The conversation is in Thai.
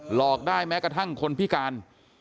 หลอกได้แม้กระทั่งคนพิการ